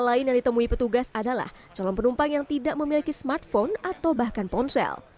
lain yang ditemui petugas adalah calon penumpang yang tidak memiliki smartphone atau bahkan ponsel